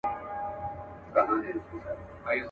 اوس به څوك تسليموي اصفهانونه.